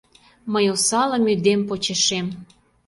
Мый осалым ӱдем почешем.